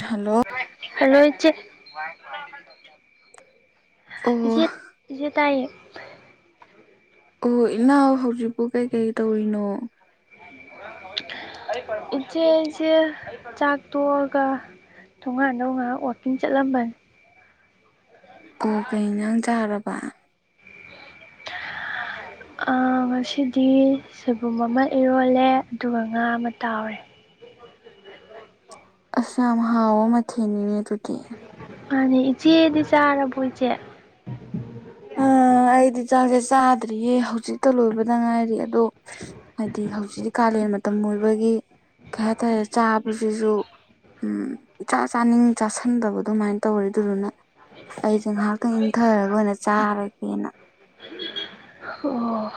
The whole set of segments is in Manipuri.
ꯍꯜꯂꯣ ꯍꯜꯂꯣ ꯏꯆꯦ ꯑꯣ ꯏꯆꯦ ꯏꯆꯦ ꯇꯥꯏꯌꯦ ꯑꯣ ꯏꯅꯥꯎ ꯍꯧꯖꯤꯛꯄꯨ ꯀꯩꯀꯩ ꯇꯧꯔꯤꯅꯣ [inaudible] ꯏꯆꯦ ꯑꯩꯁꯦ ꯆꯥꯛ ꯇꯣꯛꯑꯒ ꯇꯣꯉꯥꯟ ꯇꯣꯉꯥꯟ ꯋꯥꯛꯀꯤꯡ ꯆꯠꯂꯝꯕꯟ ꯀꯣ ꯀꯩ ꯅꯪ ꯆꯥꯔꯕ ꯉꯁꯤꯗꯤ ꯁꯣꯏꯕꯨꯝ ꯑꯃ ꯏꯔꯣꯜꯂꯦ ꯑꯗꯨꯒ ꯉꯥ ꯑꯃ ꯇꯥꯎꯔꯦ ꯑꯁ ꯌꯥꯝ ꯍꯥꯎ ꯑꯃ ꯊꯦꯡꯅꯤꯡꯉꯦ ꯑꯗꯨꯗꯤ ꯃꯥꯅꯦ ꯏꯆꯦꯗꯤ ꯆꯥꯔꯕꯣ ꯏꯆꯦ ꯑ ꯑꯩꯗꯤ ꯆꯥꯛꯁꯦ ꯆꯥꯗ꯭ꯔꯤꯌꯦ ꯍꯧꯖꯤꯛꯇ ꯂꯣꯏꯕꯗ ꯉꯥꯏꯔꯤ ꯑꯗꯣ ꯍꯥꯏꯗꯤ ꯍꯧꯖꯤꯛꯇꯤ ꯀꯥꯂꯦꯟ ꯃꯇꯝ ꯑꯣꯏꯕꯒꯤ ꯀꯩ ꯍꯥꯏꯇꯥꯔꯦ ꯆꯥꯕꯁꯤꯁꯨ ꯎꯝ ꯏꯆꯥ ꯆꯥꯅꯤꯡ ꯆꯥꯁꯟꯗꯕ ꯑꯗꯨꯃꯥꯏꯅ ꯇꯧꯔꯦ ꯑꯗꯨꯗꯨꯅ ꯑꯩꯁꯦ ꯉꯥꯏꯍꯥꯛꯇꯪ ꯏꯪꯊꯔꯒ ꯑꯣꯏꯅ ꯆꯥꯔꯒꯦꯅ ꯑꯣ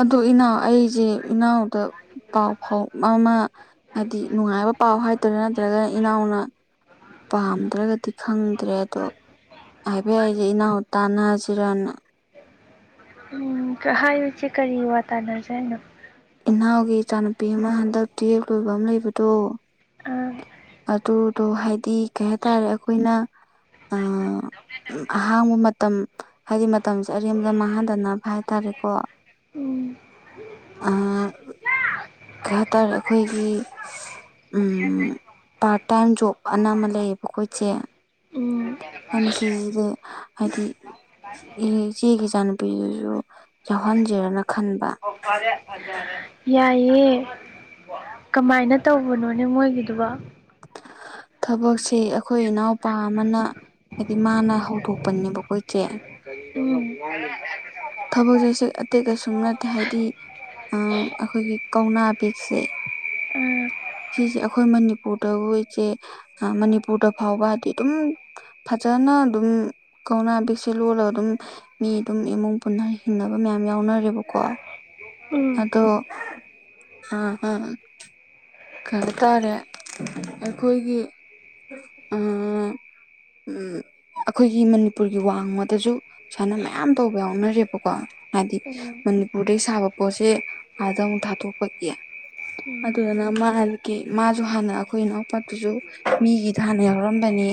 ꯑꯗꯨ ꯏꯅꯥꯎ ꯑꯩꯁꯦ ꯏꯅꯥꯎꯗ ꯄꯥꯎ ꯐꯥꯎ ꯑꯃ ꯍꯥꯏꯗꯤ ꯅꯨꯡꯉꯥꯏꯕ ꯄꯥꯎ ꯍꯥꯏꯇꯥꯔꯥ ꯅꯠꯇ꯭ꯔꯒꯅ ꯏꯅꯥꯎꯅ ꯄꯥꯝꯗ꯭ꯔꯒꯗꯤ ꯈꯪꯗ꯭ꯔꯦ ꯑꯗꯣ ꯍꯥꯏꯕ ꯌꯥꯏꯁꯦ ꯏꯅꯥꯎ ꯇꯥꯟꯅꯁꯤꯔꯅ ꯎꯝ ꯍꯥꯏꯑꯣ ꯏꯆꯦ ꯀꯔꯤ ꯋꯥ ꯇꯥꯟꯅꯖꯦ ꯍꯥꯏꯅꯣ ꯏꯅꯥꯎꯒꯤ ꯏꯆꯥꯅꯨꯄꯤ ꯑꯃ ꯍꯟꯗꯛ ꯇꯨꯌꯦꯞ ꯂꯣꯏꯕ ꯑꯃ ꯂꯩꯕꯗꯣ ꯑꯥ ꯑꯗꯨꯗꯣ ꯍꯥꯏꯗꯤ ꯀꯩ ꯍꯥꯏꯇꯥꯔꯦ ꯑꯩꯈꯣꯏꯅ ꯑꯥ ꯎ ꯑꯍꯥꯡꯕ ꯃꯇꯝ ꯍꯥꯏꯗꯤ ꯃꯇꯝꯁꯦ ꯑꯔꯦꯝꯕꯗ ꯃꯥꯡꯍꯟꯗꯅꯕ ꯍꯥꯏ ꯇꯔꯦꯀꯣ ꯎꯝ ꯑ ꯀꯩ ꯍꯥꯏꯇꯥꯔꯦ ꯑꯩꯈꯣꯏꯒꯤ ꯎꯝ ꯄꯥꯔꯠ ꯇꯥꯏꯃ ꯖꯣꯕ ꯑꯅ ꯑꯃ ꯂꯩꯌꯦꯕꯀꯣ ꯏꯆꯦ ꯎꯝ ꯍꯜꯁꯤꯖꯤꯕꯨ ꯍꯥꯏꯗꯤ ꯏ ꯏꯆꯦꯒꯤ ꯏꯆꯥꯅꯨꯄꯤꯗꯨꯁꯨ ꯌꯥꯎꯍꯟꯖꯦꯔꯅ ꯈꯟꯕ ꯑꯣ ꯐꯔꯦ ꯐꯖꯔꯦ ꯌꯥꯏꯌꯦ ꯀꯃꯥꯏꯅ ꯇꯧꯕꯅꯣꯅꯦ ꯃꯣꯏꯒꯤꯗꯨꯕ ꯊꯕꯛꯁꯤ ꯑꯩꯈꯣꯏ ꯏꯅꯥꯎꯄꯥ ꯑꯃꯅ ꯍꯥꯏꯗꯤ ꯃꯥꯅ ꯍꯧꯗꯣꯛꯄꯅꯦꯕꯀꯣ ꯏꯆꯦ [unintelligible] ꯊꯕꯛ ꯆꯠꯁꯦ ꯑꯇꯩ ꯀꯩꯁꯨꯝ ꯅꯠꯇꯦ ꯍꯥꯏꯗꯤ ꯑ ꯑꯩꯈꯣꯏꯒꯤ ꯀꯧꯅꯥ ꯕꯦꯛꯁꯦ ꯎꯝ ꯁꯤꯁꯦ ꯑꯩꯈꯣꯏ ꯃꯅꯤꯄꯨꯔꯗ ꯏꯆꯦ ꯃꯅꯤꯄꯨꯔꯗ ꯐꯥꯎꯕ ꯍꯥꯏꯗꯤ ꯑꯗꯨꯝ ꯐꯖꯅ ꯑꯗꯨꯝ ꯀꯧꯅꯥ ꯕꯦꯛꯁꯦ ꯂꯣꯜꯂꯒ ꯑꯗꯨꯝ ꯃꯤ ꯑꯗꯨꯝ ꯏꯃꯨꯡ ꯄꯨꯟꯅꯩ ꯍꯤꯡꯅꯕ ꯃꯌꯥꯝ ꯌꯥꯎꯅꯔꯦꯕꯀꯣ ꯎꯝ ꯑꯗꯣ ꯑ ꯀꯩꯅꯣ ꯇꯧꯔꯦ ꯑꯩꯈꯣꯏꯒꯤ ꯎꯝ ꯎꯝ ꯑꯩꯈꯣꯏꯒꯤ ꯃꯅꯤꯄꯨꯔꯒꯤ ꯋꯥꯡꯃꯗꯖꯨ ꯁꯥꯟꯅ ꯃꯌꯥꯝ ꯇꯧꯕ ꯌꯥꯎꯅꯔꯦꯕꯀꯣ ꯍꯥꯏꯗꯤ ꯃꯅꯤꯄꯨꯔꯗꯩ ꯁꯥꯕ ꯄꯣꯠꯁꯦ ꯑꯥꯗ ꯑꯃꯨꯛ ꯊꯥꯗꯣꯛꯄꯒꯤ ꯎꯝ ꯑꯗꯨꯗꯨꯅ ꯃꯥ ꯍꯜꯒꯤ ꯃꯥꯁꯨ ꯍꯥꯟꯅ ꯑꯩꯈꯣꯏ ꯏꯅꯥꯎꯄꯥꯠꯇꯨꯁꯨ ꯃꯤꯒꯤꯗ ꯍꯥꯟꯅ ꯌꯥꯎꯔꯝꯕꯅꯤ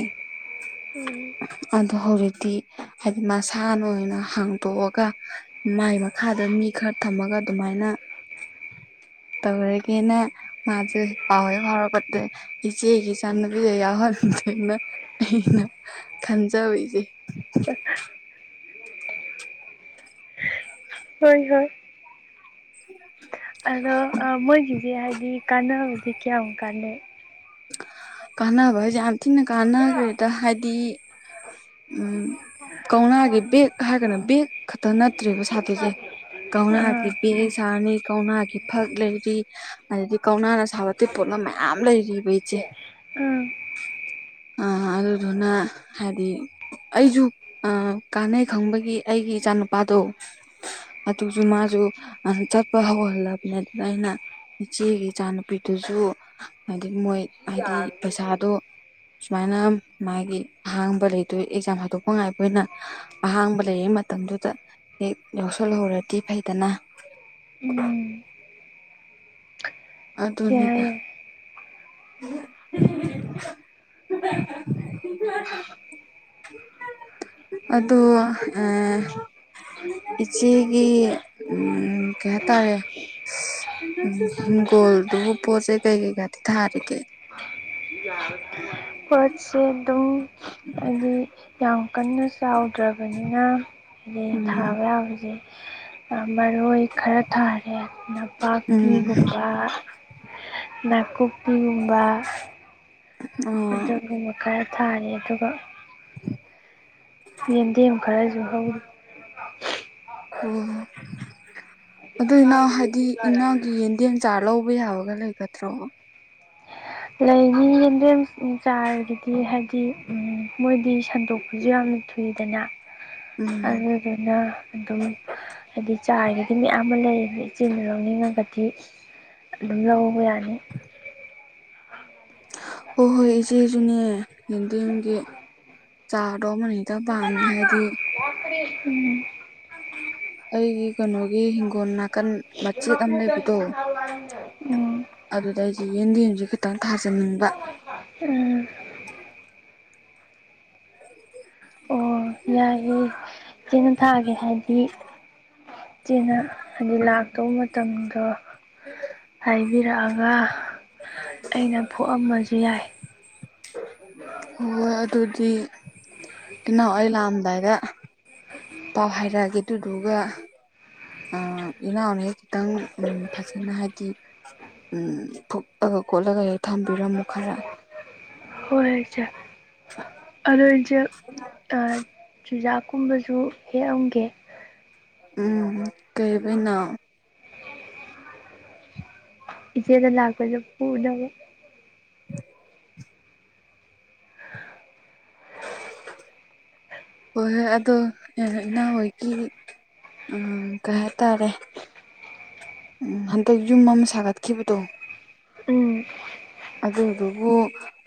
ꯎꯝ ꯑꯗꯣ ꯍꯧꯖꯤꯛꯇꯤ ꯍꯥꯏꯗꯤ ꯃꯁꯥꯅ ꯑꯣꯏꯅ ꯍꯥꯡꯇꯣꯛꯑꯒ ꯃꯥꯏ ꯃꯈꯥꯗ ꯃꯤ ꯈꯔ ꯊꯝꯃꯒ ꯑꯗꯨꯃꯥꯏꯅ ꯇꯧꯔꯒꯦꯅ ꯃꯥꯖꯦ ꯄꯥꯎ ꯍꯦꯛ ꯐꯥꯎꯔꯛꯄꯗ ꯏꯆꯦꯒꯤ ꯆꯥꯟꯅꯕꯤ ꯌꯥꯎꯁꯦꯅ ꯑꯩꯅ ꯈꯟꯖꯕꯩꯖꯦ ꯍꯣꯏ ꯍꯣꯏ [inaudible] ꯑꯗꯣ ꯃꯣꯏꯒꯤꯁꯦ ꯍꯥꯏꯗꯤ ꯀꯥꯟꯅꯕꯗꯤ ꯀꯌꯥꯝ ꯀꯥꯟꯅꯩ ꯀꯥꯟꯅꯕ ꯍꯥꯏꯁꯦ ꯌꯥꯝ ꯊꯤꯅ ꯀꯥꯟꯅꯈ꯭ꯔꯦꯗ ꯍꯥꯏꯗꯤ ꯎꯝ ꯀꯧꯅꯥꯒꯤ ꯕꯦꯛ ꯍꯥꯏꯔꯒꯅ ꯕꯦꯛ ꯈꯛꯇ ꯅꯠꯇ꯭ꯔꯦꯕ ꯁꯥꯗꯣꯏꯖꯦ ꯀꯧꯅꯥꯒꯤ ꯑꯥ ꯕꯦꯛꯑꯦꯛ ꯁꯥꯔꯅꯤ ꯀꯧꯅꯥꯒꯤ ꯐꯛ ꯂꯩꯔꯤ ꯑꯗꯗꯤ ꯀꯧꯅꯥꯅ ꯁꯥꯕ‌ ꯑꯇꯩ ꯄꯣꯠꯂꯝ ꯃꯌꯥꯝ ꯂꯩꯔꯤꯕ ꯏꯆꯦ ꯎꯝ ꯑ ꯑꯗꯨ ꯗꯨꯅꯥ ꯍꯥꯏꯗꯤ ꯑꯩꯖꯨ ꯀꯥꯟꯅꯩ ꯈꯪꯕꯒꯤ ꯑꯩꯒꯤ ꯏꯆꯥ ꯅꯨꯨꯄꯥꯗꯣ ꯑꯗꯨꯁꯨ ꯃꯥꯁꯨ ꯆꯠꯄ ꯍꯧꯍꯜꯂꯕꯅꯦ ꯑꯗꯨꯗ ꯑꯩꯅ ꯏꯆꯦꯒꯤ ꯏꯆꯥꯅꯨꯄꯤꯗꯨꯁꯨ ꯍꯥꯏꯗꯤ ꯃꯣꯏ ꯍꯥꯏꯗꯤ ꯄꯩꯁꯥꯗꯣ ꯁꯨꯃꯥꯏꯅ ꯃꯥꯒꯤ ꯑꯍꯥꯡꯕ ꯂꯩꯇ ꯑꯗꯨ ꯑꯦꯛꯖꯥꯝ ꯍꯥꯗꯣꯛꯄ ꯉꯥꯏꯕꯅ ꯑꯍꯥꯡꯕ ꯂꯩꯔꯤ ꯃꯇꯝꯗꯨꯗ ꯍꯦꯛ ꯌꯥꯎꯁꯜꯍꯧꯨꯔꯗꯤ ꯐꯩꯗꯅ ꯎꯝ ꯑꯗꯨ ꯌꯥꯏ ꯑꯗꯨꯅꯤꯗ ꯌꯥꯏ [unintelligible] ꯑꯗꯨꯗꯣ ꯑ ꯏꯆꯦꯒꯤ ꯎ ꯀꯩ ꯍꯥꯏꯇꯥꯔꯦ ꯎ ꯒꯣꯜꯗꯨꯕꯨ ꯄꯣꯠꯁꯦ ꯀꯩ ꯀꯩꯀꯥꯗꯤ ꯊꯥꯔꯤꯒꯦ ꯄꯣꯠꯁ ꯑꯗꯨꯝ ꯌꯥꯝ ꯀꯟꯅ ꯆꯥꯎꯗ꯭ꯔꯕꯅꯤꯅ ꯍꯥꯏꯩ ꯎꯝ ꯊꯥꯕ ꯌꯥꯕꯁꯦ ꯃꯔꯣꯏ ꯈꯔ ꯊꯥꯔꯦ ꯎꯝ ꯅꯄꯥꯛꯄꯤꯒꯨꯝꯕ ꯅꯥ ꯀꯨꯞꯄꯤꯕꯥ ꯑꯣ ꯑꯗꯨꯒꯨꯝꯕ ꯈꯔ ꯊꯥꯔꯦ ꯑꯗꯨꯒ ꯌꯦꯟꯗꯦꯝ ꯈꯔꯁꯨ ꯍꯧ ꯑꯣꯣ ꯑꯗꯨꯅ ꯍꯥꯏꯗꯤ ꯏꯅꯥꯒꯤ ꯌꯦꯟꯗꯦꯝ ꯆꯥꯔ ꯂꯧꯕ ꯌꯥꯕꯒ ꯂꯩꯒꯗ꯭ꯔꯣ [inaudible] ꯂꯩꯅꯤ ꯌꯦꯟꯗꯦꯝ ꯆꯥꯔꯒꯗꯤ ꯍꯥꯏꯗꯤ ꯃꯣꯏꯗꯤ ꯁꯟꯗꯣꯛꯄꯁꯨ ꯌꯥꯝꯅ ꯃꯤꯗꯅ ꯎꯝ ꯑꯗꯨꯗꯨꯅ ꯑꯗꯨꯝ ꯍꯥꯏꯗꯤ ꯆꯥꯒꯤꯗꯤ ꯃꯌꯥꯝ ꯑꯃ ꯂꯩ ꯏꯆꯦꯗꯨ ꯂꯧꯅꯤꯡꯉꯒꯗꯤ ꯑꯗꯨꯝ ꯂꯧꯕ ꯌꯥꯅꯤ ꯍꯣꯏ ꯍꯣꯏ ꯏꯆꯦꯁꯨꯅꯦ ꯌꯦꯟꯗꯦꯝꯒꯤ ꯆꯥꯗꯣ ꯑꯃ ꯍꯦꯛꯇ ꯄꯥꯝꯃꯦ ꯍꯥꯏꯗꯤ ꯌꯥꯦ ꯎꯝ ꯑꯩꯒꯤ ꯀꯩꯅꯣꯒꯤ ꯍꯤꯡꯒꯣꯜ ꯅꯥꯀꯟ ꯃꯆꯦꯠ ꯑꯃ ꯂꯩꯕꯗꯣ ꯎꯝ ꯑꯗꯨꯗ ꯑꯩꯗꯤ ꯌꯦꯟꯗꯦꯝꯁ ꯈꯤꯇꯪ ꯊꯥꯖꯟꯅꯤꯡꯕ ꯎꯝ ꯑꯣ ꯌꯥꯏꯌꯦꯦ ꯀꯩꯅ ꯊꯥꯒꯦ ꯍꯥꯏꯗꯤ ꯏꯆꯦꯅ ꯍꯥꯏꯗꯤ ꯂꯥꯛꯇꯧꯕ ꯃꯇꯝꯗꯣ ꯍꯥꯏꯕꯤꯔꯛꯑꯒ ꯑꯩꯅ ꯐꯨꯛꯑꯝꯃꯁꯨ ꯌꯥꯏ ꯍꯣꯏꯣꯏ ꯑꯗꯨꯗꯤ ꯆꯅꯥꯎ ꯑꯩ ꯂꯥꯛꯑꯝꯗꯥꯏꯗ ꯄꯥꯎ ꯍꯥꯏꯔꯛꯑꯒꯦ ꯑꯗꯨꯗꯨꯒ ꯏꯅꯥꯎꯅꯁ ꯈꯤꯇꯪ ꯐꯖꯅ ꯍꯥꯏꯗꯤ ꯎꯝ ꯐꯨꯛꯑꯒ ꯈꯣꯠꯂꯒ ꯊꯝꯕꯤꯔꯝꯃꯨ ꯈꯔ ꯍꯣꯏꯆꯦ ꯑꯗꯨ ꯆꯨꯖꯥꯛꯀꯨꯝꯕꯁꯨ ꯍꯦꯛꯑꯝꯒꯦ ꯎꯝ ꯀꯩꯕꯅ ꯏꯆꯦꯗ ꯂꯥꯛꯒꯂ ꯄꯨꯅ ꯍꯣꯏ ꯍꯣꯏ ꯑꯗꯣ ꯏ ꯍꯣꯏꯒꯤ ꯎꯝ ꯀꯩ ꯍꯥꯏꯇꯥꯔꯦ ꯎꯝ ꯍꯟꯗꯛ ꯌꯨꯝ ꯑꯃ ꯁꯥꯒꯠꯈꯤꯕꯗꯣ ꯎꯝ ꯑꯗꯨꯗꯨꯕꯨ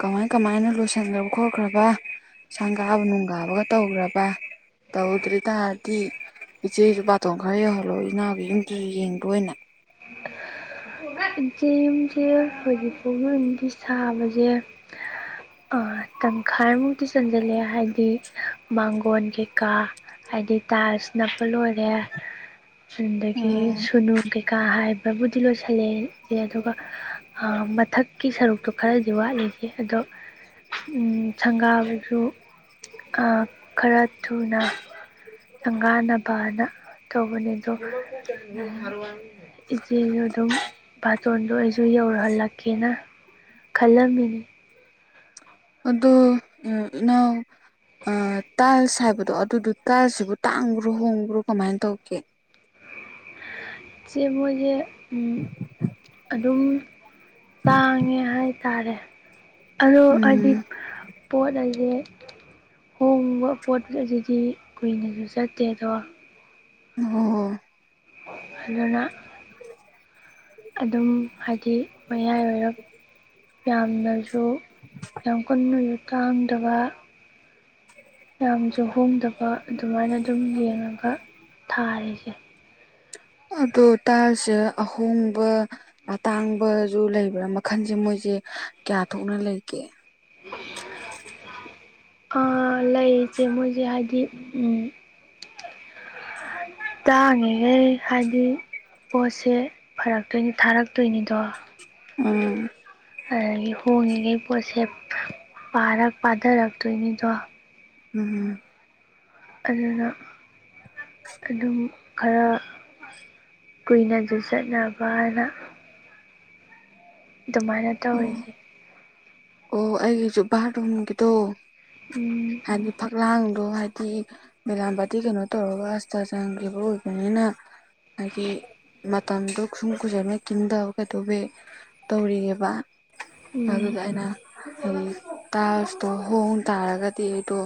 ꯀꯃꯥꯏ ꯀꯃꯥꯏꯅ ꯂꯣꯏꯁꯤꯟꯈ꯭ꯔꯕ ꯈꯣꯠꯈ꯭ꯔꯕ ꯁꯪꯒꯥꯕ ꯅꯨꯡꯒꯥꯕꯒ ꯇꯧꯈ꯭ꯔꯕ ꯇꯧꯗ꯭ꯔꯤ ꯇꯔꯗꯤ ꯏꯆꯦꯁꯨ ꯕꯥꯇꯣꯟ ꯈꯔ ꯌꯧꯍꯜꯂꯣ ꯏꯅꯥꯒꯤ ꯌꯨꯝꯗꯨꯁꯨ ꯌꯦꯡꯗꯣꯏꯅ [inaudible] ꯌꯨꯝꯁꯦ ꯍꯧꯖꯤꯛ ꯄꯣꯛꯅꯗꯤ ꯁꯥꯕꯁꯦ ꯑ ꯇꯪꯈꯥꯏꯃꯨꯛꯇꯤ ꯆꯟꯁꯤꯜꯂꯦ ꯍꯥꯏꯕꯗꯤ ꯃꯥꯡꯒꯣꯟ ꯀꯩꯀꯥ ꯍꯥꯏꯗꯤ ꯇꯥꯏꯁ ꯅꯞꯄ ꯂꯣꯏꯔꯦ ꯑꯗꯒꯤ ꯁꯨꯅꯨ ꯀꯩꯀꯥ ꯍꯥꯏꯕ ꯑꯗꯨꯕꯨꯗꯤ ꯂꯣꯏꯁꯤꯜꯂꯦ ꯑꯗꯨꯒ ꯃꯊꯛꯀꯤ ꯁꯔꯨꯛꯇꯣ ꯈꯔꯗꯤ ꯋꯥꯠꯂꯤꯁꯦ ꯑꯗꯣ ꯁꯪꯒꯥꯕꯁꯨ ꯈꯔ ꯊꯨꯅ ꯉꯥꯟꯅꯕꯅ ꯇꯧꯕꯅꯦ ꯑꯗꯨꯒ ꯏꯆꯦꯁꯨ ꯑꯗꯨꯝ ꯕꯥꯇꯣꯟꯗꯣ ꯑꯣꯏꯁ ꯌꯧꯔꯍꯜꯂꯛꯀꯦꯅ ꯈꯜꯂꯝꯃꯤꯅꯤ ꯑꯗꯨꯗꯨ ꯎ ꯅꯅꯥ ꯑ ꯇꯥꯁ ꯍꯥꯏꯕꯗꯣ ꯑꯗꯨꯗꯨ ꯇꯁꯤꯕꯨ ꯇꯥꯡꯈ꯭ꯔꯣ ꯍꯣꯡꯈ꯭ꯔꯣ ꯀꯃꯥꯏꯅ ꯇꯧꯒꯦ ꯁꯦ ꯃꯣꯏꯁꯦ ꯑꯗꯨꯝ ꯇꯥꯡꯉꯦ ꯍꯥꯏꯇꯥꯔꯦ ꯑꯗꯣ ꯍꯥꯏꯗꯤ ꯎꯝ ꯄꯣꯠ ꯑꯁꯦ ꯍꯣꯡꯕ ꯄꯣꯠ ꯑꯗꯨꯗꯤ ꯀꯨꯏꯅꯁꯨ ꯆꯠꯇꯦ ꯑꯗꯣ ꯑꯣ ꯍꯣ ꯑꯗꯨꯗꯅ [inaudible] ꯑꯗꯨꯝ ꯍꯥꯏꯗꯤ ꯃꯌꯥꯏ ꯑꯣꯏꯔꯞ ꯌꯥꯝꯅꯁꯨ ꯌꯥꯝ ꯀꯨꯟꯅꯁꯨ ꯇꯥꯡꯗꯕ ꯌꯥꯝꯁꯨ ꯍꯣꯡꯗꯕ ꯑꯗꯨꯃꯥꯏꯅ ꯑꯗꯨꯝ ꯌꯦꯡꯉꯒ ꯊꯥꯔꯤꯁꯦ ꯑꯗꯣ ꯇꯁꯦ ꯑꯍꯣꯡꯕ ꯑꯇꯥꯡꯕꯁꯨ ꯂꯩꯕ꯭ꯔꯥ ꯃꯈꯟꯁꯦ ꯃꯣꯏꯁꯦ ꯀꯌꯥ ꯊꯣꯛꯅ ꯂꯩꯒꯦ ꯑ ꯂꯩꯁꯦ ꯃꯣꯏꯁꯦ ꯍꯥꯏꯗꯤ ꯎꯝ ꯇꯥꯡꯉꯤꯈꯩ ꯍꯥꯏꯗꯤ ꯄꯣꯠꯁꯦ ꯐꯔꯛꯇꯣꯏꯅꯤ ꯊꯥꯔꯛꯇꯣꯏꯅꯤꯗꯣ ꯎꯝ ꯑꯗꯒꯤ ꯍꯣꯡꯉꯤꯈꯩ ꯄꯣꯠꯁꯦꯔ ꯄꯥꯊꯔꯛꯇꯣꯏꯅꯤꯗꯣ ꯎꯝ ꯎꯝ ꯑꯗꯨꯅ ꯑꯗꯨꯝ ꯈꯔ ꯀꯨꯏꯅꯁꯨ ꯆꯠꯅꯕꯅ ꯑꯗꯨꯃꯥꯏꯅ ꯑꯣ ꯇꯧꯔꯤꯁꯦ ꯑꯣ ꯑꯩꯒꯤꯁꯨ ꯚꯔꯣꯨꯝꯒꯤꯗꯣ ꯎꯝ ꯍꯥꯏꯗꯤ ꯐꯛꯂꯥꯡꯗꯣ ꯍꯥꯏꯗꯤ ꯃꯕꯤꯂꯥ ꯄꯇꯗꯤ ꯀꯩꯅꯣ ꯇꯧꯔꯒ ꯑꯁꯇꯥ ꯆꯪꯈꯤꯕ ꯑꯣꯏꯕꯅꯤꯅ ꯍꯥꯏꯗꯤ ꯃꯇꯝꯗꯣ ꯀ ꯁꯨꯝ ꯀꯨꯖꯔꯅ ꯀꯤꯟꯗ ꯀꯩꯗꯧꯋꯤ ꯇꯧꯔꯤꯑꯕ ꯎꯝ ꯑꯗꯨꯗ ꯑꯩꯅ ꯇꯣ ꯍꯣꯡ ꯇꯥꯔꯒꯗꯤ ꯑꯩꯇꯣ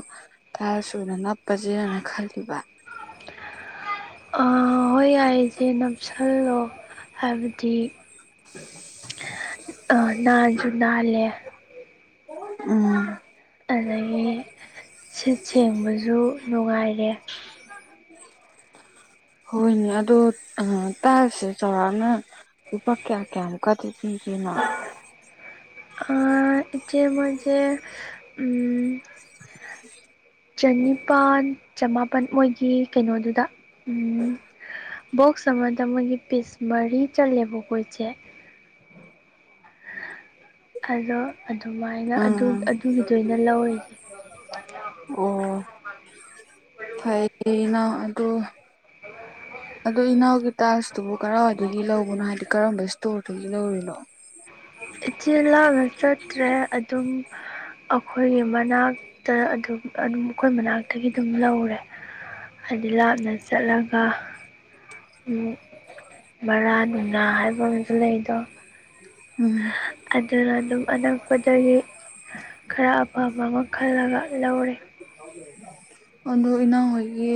ꯊꯥꯔ ꯁꯨꯅ ꯅꯞꯄꯁꯦꯅ ꯈꯜꯂꯤꯕ ꯍꯣꯏ ꯌꯥꯔꯤꯁꯦ ꯅꯞꯁꯜꯂꯣ ꯍꯥꯏꯕꯗꯤ ꯑ ꯅꯥꯁꯨ ꯅꯥꯂꯦ ꯎꯝ ꯑꯗꯒꯤ ꯁꯤꯠ ꯁꯦꯡꯕꯁꯨ ꯅꯨꯡꯉꯥꯏꯔꯦ ꯑ ꯍꯣꯏꯅꯦ ꯑꯗꯣ ꯇꯥꯁꯦ ꯆꯥꯎꯔꯥꯛꯅ ꯂꯨꯄꯥ ꯀꯌꯥ ꯀꯌꯥ ꯀꯗꯤ ꯊꯤꯁꯤꯅꯣ ꯆꯦ ꯃꯦ [inaudible] ꯆꯅꯤꯄꯥꯜ ꯆꯃꯥꯄꯜ ꯃꯣꯏꯒꯤ ꯀꯩꯅꯣꯗꯨꯗ ꯎꯝ ꯕꯣꯛꯁ ꯑꯃꯗ ꯃꯣꯏꯒꯤ ꯄꯤꯁ ꯃꯔꯤ ꯆꯠꯂꯦꯕꯣ ꯀꯣꯏꯁꯦ ꯑꯗꯣ ꯑꯗꯨꯃꯥꯏꯅ ꯑꯥ ꯑꯗꯨꯒꯤꯗ ꯑꯣꯏꯅ ꯂꯧꯔꯤꯁꯦ ꯑꯣ ꯐꯥꯏꯅ ꯑꯗꯨ ꯑꯗꯣ ꯏꯅꯥꯎꯒꯤ ꯇꯖꯇꯨꯕꯨ ꯀꯔꯥꯏꯋꯥꯏꯗꯒꯤ ꯂꯧꯕꯅꯣ ꯍꯥꯏꯗꯤ ꯀꯔꯝꯕ ꯏꯁꯇꯣꯔꯗꯒꯤ ꯂꯧꯔꯨꯅꯣ ꯏꯆꯦ ꯂꯥꯛꯅ ꯆꯠꯇ꯭ꯔꯦ ꯑꯗꯨꯝ ꯑꯩꯈꯣꯏꯒꯤ ꯃꯅꯥꯛꯇ ꯑꯗꯨꯝ ꯑꯗꯨꯝ ꯑꯩꯈꯣꯏ ꯃꯅꯥꯛꯇꯒꯤ ꯑꯗꯨꯝ ꯂꯧꯔꯦ ꯍꯥꯏꯗꯤ ꯂꯥꯞꯅ ꯆꯠꯂꯒ ꯃꯔꯜ ꯎ ꯍꯥꯏꯕ ꯂꯩꯗ ꯎꯝ ꯑꯗꯨꯅ ꯑꯗꯨꯝ ꯑꯅꯛꯄꯗꯒꯤ ꯈꯔ ꯑꯄꯥꯕ ꯑꯃ ꯈꯜꯂꯒ ꯂꯧꯔꯦ ꯍ ꯑꯗꯨ ꯏꯅ ꯍꯣꯏꯒꯤ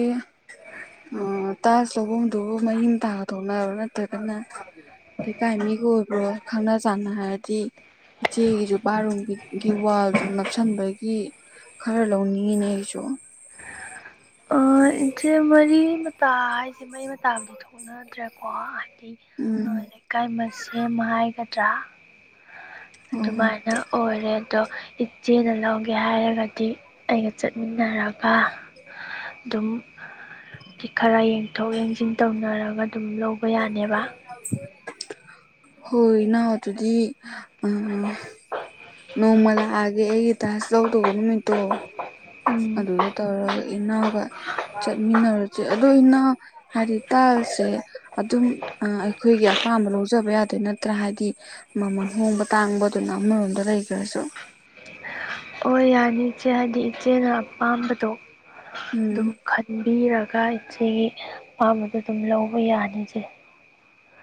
ꯑ ꯇꯥꯁ ꯂꯧꯕꯐꯝꯗꯨ ꯃꯌꯤꯡ ꯇꯥꯗꯣꯛꯅꯔꯣ ꯅꯠꯇ꯭ꯔꯒꯅ ꯂꯩꯀꯥꯏ ꯃꯤꯒ ꯑꯣꯏꯕ꯭ꯔꯣ ꯈꯪꯅ ꯆꯥꯟꯅ ꯍꯥꯏꯔꯗꯤ ꯏꯆꯦꯒꯤꯁꯨ ꯄꯥꯔꯨꯝꯒꯤꯒꯤ ꯋꯥꯜꯁꯨ ꯅꯞꯁꯤꯟꯕꯒꯤ ꯈꯔ ꯂꯧꯅꯤꯡꯉꯤꯅꯦ ꯑꯩꯁꯨ ꯏꯆꯦ ꯃꯔꯤ ꯃꯇꯥ ꯍꯥꯏꯁꯦ ꯃꯔꯤ ꯃꯇꯥꯕꯨꯗꯤ ꯊꯣꯛꯅꯗ꯭ꯔꯦꯀꯣ ꯍꯥꯏꯗꯤ ꯎꯝ ꯂꯩꯀꯥꯏ ꯑꯃ ꯁꯦꯝꯕ ꯍꯥꯏꯒꯗ꯭ꯔꯥ ꯑꯣ ꯑꯗꯨꯃꯥꯏꯅ ꯑꯣꯏꯔꯦ ꯑꯗꯣ ꯏꯆꯦꯅ ꯂꯧꯒꯦ ꯍꯥꯏꯔꯒꯗꯤ ꯑꯩꯒ ꯆꯠꯃꯤꯟꯅꯔꯒ ꯑꯗꯨꯝ ꯈꯔ ꯌꯦꯡꯊꯣꯛ ꯌꯦꯡꯁꯤꯟ ꯇꯧꯅꯔꯒ ꯑꯗꯨꯝ ꯂꯧꯕ ꯌꯥꯅꯦꯕ ꯍꯣꯏꯅ ꯑꯗꯨꯗꯤ ꯑ ꯅ ꯃꯜ ꯑꯒꯦ ꯑꯩ ꯇꯥꯁꯗꯧꯒꯣ ꯃꯤ ꯇꯣ [unintelligible] ꯑꯗꯨꯗ ꯇꯧꯔꯒ ꯏꯅꯥꯎꯒ ꯆꯠꯃꯤꯟꯅꯔꯁꯦ ꯑꯗꯣ ꯏꯅꯥꯎ ꯍꯥꯏꯗꯤ ꯇꯜꯁꯦ ꯑꯗꯨꯝ ꯑꯩꯈꯣꯏꯒꯤ ꯑꯄꯥꯝꯕ ꯂꯧꯖꯕ ꯌꯥꯗꯣꯏ ꯅꯠꯇ꯭ꯔꯥ ꯍꯥꯏꯗꯤ ꯃꯃꯜ ꯍꯣꯡꯕ ꯇꯥꯡꯕꯗꯨꯅ ꯑꯃꯔꯣꯝꯗ ꯂꯩꯈ꯭ꯔꯁꯨ ꯑꯣ ꯌꯥꯅꯤ ꯏꯆꯦ ꯍꯥꯏꯗꯤ ꯏꯆꯦꯅ ꯑꯄꯥꯝꯕꯗꯣ ꯎꯝ ꯑꯗꯨꯝ ꯈꯟꯕꯤꯔꯒ ꯏꯆꯦꯒꯤ ꯑꯄꯥꯝꯕꯗꯣ ꯑꯗꯨꯝ ꯂꯧꯕ ꯌꯥꯅꯤꯁꯦ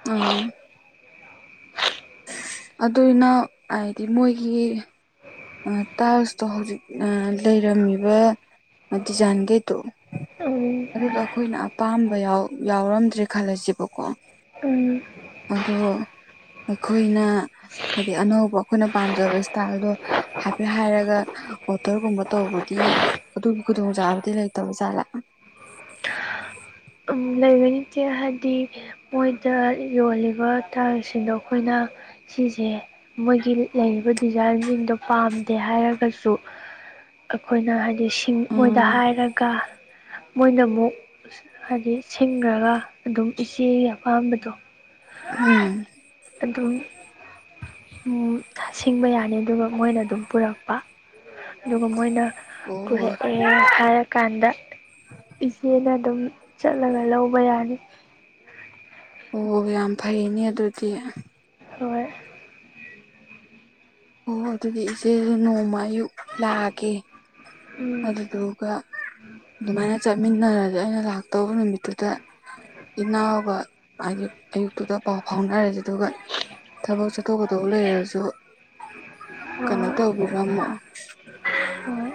ꯎꯝ ꯑꯗꯨꯅ ꯍꯥꯏꯗꯤ ꯃꯣꯏꯒꯤ ꯇꯥꯖꯇꯣ ꯍꯧꯖꯤꯛ ꯂꯩꯔꯝꯃꯤꯕ ꯃꯗꯨꯖꯥꯡꯒꯦ ꯇ ꯎꯝ ꯑꯗꯨꯗꯣ ꯑꯩꯈꯣꯏꯅ ꯑꯄꯥꯝꯕ ꯌꯥꯎꯔꯝꯗ꯭ꯔꯦ ꯈꯜꯂꯁꯦꯕꯀꯣ ꯎ ꯑꯗꯣ ꯑꯩꯈꯣꯏꯅ ꯍꯥꯏꯗꯤ ꯑꯅꯧꯕ ꯑꯩꯈꯣꯏꯅ ꯄꯥꯝꯖꯕ ꯏꯁꯇꯥꯏꯜꯗꯣ ꯍꯥꯏꯐꯦꯠ ꯍꯥꯏꯔꯒ ꯑꯣꯇꯔꯒꯨꯝꯕ ꯇꯧꯕꯗꯤ ꯑꯗꯨ ꯈꯨꯗꯣꯡ ꯆꯥꯕꯗꯤ ꯂꯩꯇꯕ ꯥꯠꯂꯥ ꯂꯩꯕꯅꯤꯠꯇꯦ ꯍꯥꯏꯗꯤ ꯃꯣꯏꯗ ꯌꯣꯜꯂꯤꯕ ꯇꯥꯡꯁꯤꯡꯗꯣ ꯑꯩꯈꯣꯏꯅ ꯁꯤꯁꯦ ꯃꯣꯏꯒꯤ ꯂꯩꯔꯤꯕ ꯗꯤꯖꯥꯏꯟꯁꯤꯡꯗꯣ ꯄꯥꯝꯗꯦ ꯍꯥꯏꯔꯒꯁꯨ ꯑꯩꯈꯣꯏꯅ ꯍꯥꯏꯗꯤ ꯃꯣꯏꯗ ꯎꯝ ꯍꯥꯏꯔꯒ ꯃꯣꯏꯅ ꯑꯃꯨꯛ ꯍꯥꯏꯗꯤ ꯁꯤꯡꯈ꯭ꯔꯒ ꯑꯗꯨꯝ ꯏꯆꯦꯒꯤ ꯑꯄꯥꯝꯕꯗꯣ ꯎꯝ ꯑꯗꯨ ꯑꯗꯨ ꯁꯤꯡꯕ ꯌꯥꯅꯤ ꯑꯗꯨꯒ ꯃꯣꯏꯅ ꯑꯗꯨꯝ ꯄꯨꯔꯛꯄ ꯑꯗꯨꯒ ꯃꯣꯏꯅ ꯑꯣ ꯄꯨꯔꯛ ꯡ ꯍꯥꯏꯥꯏꯔꯀꯥꯟꯗ ꯏꯆꯦꯅ ꯑꯗꯨꯝ ꯆꯠꯂꯒ ꯂꯧꯕ ꯌꯥꯅꯤ ꯑꯣ ꯌꯥꯝ ꯐꯩꯅꯦ ꯑꯗꯨꯗꯤ ꯍꯣꯏ ꯑꯣ ꯑꯗꯨꯗꯤ ꯏꯆꯦꯁꯨ ꯅꯣꯡꯃ ꯑꯌꯨꯛ ꯂꯥꯛꯑꯒꯦ ꯎꯝ ꯑꯗꯨꯗꯨꯒ ꯑꯗꯨꯃꯥꯏꯅ ꯆꯠꯃꯤꯟꯅꯔꯗꯤ ꯑꯩꯅ ꯂꯥꯛꯇꯧꯕ ꯅꯨꯃꯤꯠꯇꯨꯗ ꯏꯅꯥꯕ ꯍꯥꯏ ꯑꯌꯨꯛꯇꯨꯗ ꯄꯥꯎ ꯐꯥꯎꯅꯔꯁ ꯑꯗꯨꯒ ꯊꯕꯛ ꯆꯠꯊꯣꯛꯀꯗꯧꯕ ꯂꯩꯔꯁꯨ ꯀꯩꯅꯣ ꯇꯧꯕꯤꯔꯝꯃꯣ ꯍ